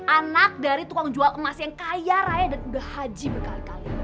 anak dari tukang jual emas yang kaya raya dan udah haji berkali kali